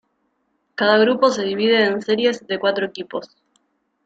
Cada grupo se divide en series de cuatro equipos.